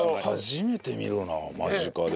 初めて見るよな間近で。